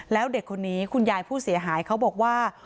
แล้วเด็กคนนี้คุณยายผู้เสียหายเขาบอกว่า